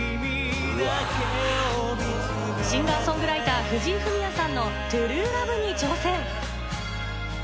シンガーソングライター藤井フミヤさんの『ＴＲＵＥＬＯＶＥ』に挑戦。